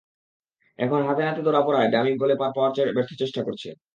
এখন হাতেনাতে ধরা পড়ায় ডামি বলে পার পাওয়ার ব্যর্থ চেষ্টা করছে।